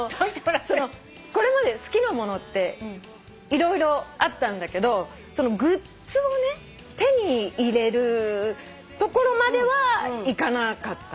これまで好きなものって色々あったんだけどグッズを手に入れるところまではいかなかったの。